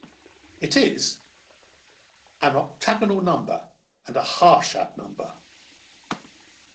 It is an octagonal number and a Harshad number.